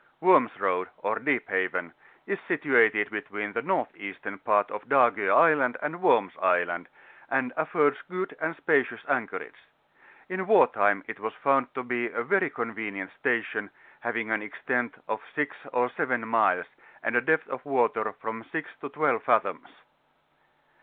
WO&BIS &OADy ox VEEP BAVEH, is situated between the N. Eastern part of Dago Island and Worms Island, and afibrds ^ood and spacious anchorage; in war time it was found to be a very convenient station, having an extent of 6 or 7 miles, and a depth of water from 6 to 12 fathoms.